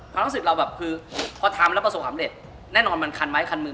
คุณน้องศิษย์เราแบบคือพอทำแล้วประสบความเร็จแน่นอนมันคันไหมคันมือ